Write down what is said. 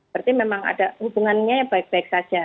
berarti memang ada hubungannya ya baik baik saja